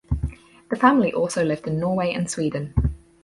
The family also lived in Norway and Sweden.